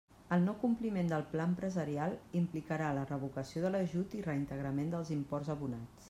El no-compliment del pla empresarial implicarà la revocació de l'ajut i reintegrament dels imports abonats.